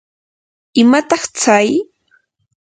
¿imataq tsay?